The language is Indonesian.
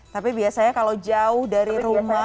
tapi biasanya kalau jauh dari rumah